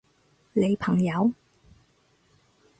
你朋友？